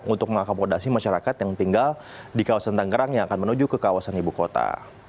untuk mengakomodasi masyarakat yang tinggal di kawasan tangerang yang akan menuju ke kawasan ibu kota